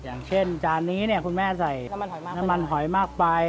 อย่างเช่นจานนี้เนี่ยคุณแม่ใส่น้ำมันหอยมากไป